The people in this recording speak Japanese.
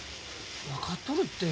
分かっとるって。